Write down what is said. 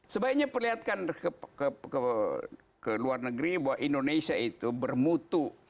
sebaiknya perlihatkan ke luar negeri bahwa indonesia itu bermutu